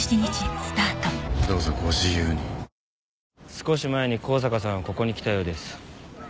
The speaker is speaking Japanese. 少し前に香坂さんはここに来たようです。